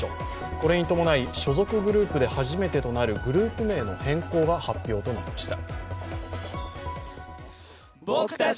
これに伴い、所属グループで初めてとなるグループ名の変更が発表となりました。